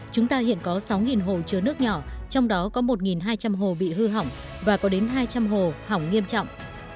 chúng ta hiện có sáu hồ chứa nước nhỏ trong đó có một hai trăm linh hồ bị hư hỏng và có đến hai trăm linh hồ hỏng nghiêm trọng